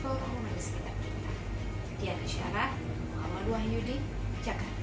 agar kita bisa menjaga kesehatan